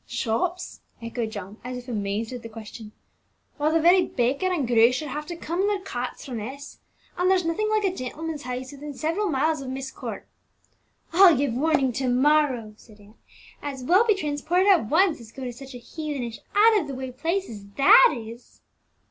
"Shops!" echoed John, as if amazed at the question. "Why, the very baker and grocer have to come in their carts from S , and there's nothing like a gentleman's house within several miles of Myst Court." "I'll give warning to morrow," said Ann. "As well be transported at once, as go to such a heathenish out of the way place as that is!"